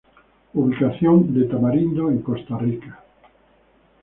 Ubicación de Tamarindo en Costa Rica.